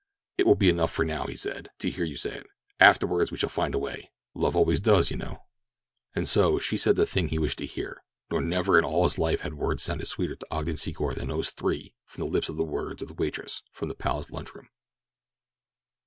"It will be enough for now," he said, "to hear you say it. Afterward we shall find a way; love always does, you know." And so she said the thing he wished to hear, nor never in all his life had words sounded sweeter to Ogden Secor than those three from the lips of the waitress from the Palace Lunch Room.